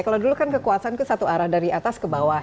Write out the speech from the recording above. kalau dulu kan kekuasaan itu satu arah dari atas ke bawah